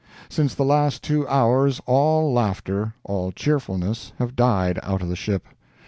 Since the last two hours, all laughter, all cheerfulness, have died out of the ship.